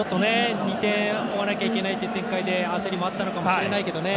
２点追わないといけないという展開で焦りもあったのかもしれないけどね。